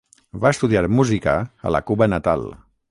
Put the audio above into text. Va estudiar música a la Cuba natal.